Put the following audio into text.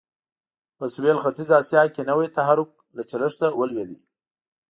په سوېل ختیځه اسیا کې نوی تحرک له چلښته ولوېد.